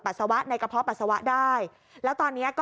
สวะในกระเพาะปัสสาวะได้แล้วตอนนี้ก็